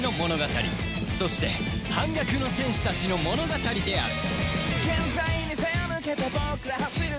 そして反逆の戦士たちの物語である